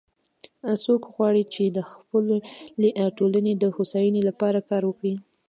څوک غواړي چې د خپلې ټولنې د هوساینی لپاره کار وکړي